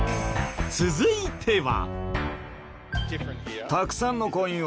続いては。